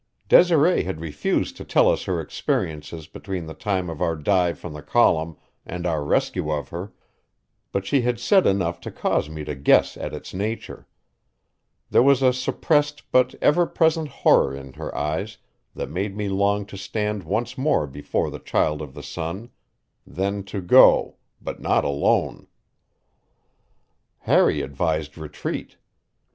Desiree had refused to tell us her experiences between the time of our dive from the column and our rescue of her; but she had said enough to cause me to guess at its nature. There was a suppressed but ever present horror in her eyes that made me long to stand once more before the Child of the Sun; then to go, but not alone. Harry advised retreat.